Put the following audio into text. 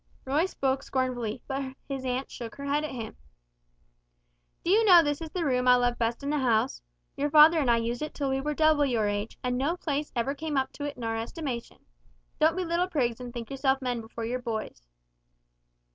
Roy spoke scornfully, but his aunt shook her head at him: "Do you know this is the room I love best in the house? Your father and I used it till we were double your age, and no place ever came up to it in our estimation. Don't be little prigs and think yourselves men before you're boys!"